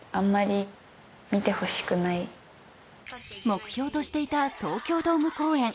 目標としていた東京ドーム公演。